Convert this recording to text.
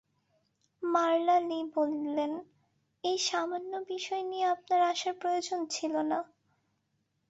মারলা Lee বললেন, এই সামান্য বিষয় নিয়ে আপনার আসার প্রয়োজন ছিল না।